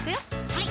はい